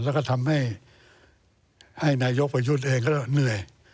แล้วก็ทำให้นายกประยุทธ์เองก็เหนื่อย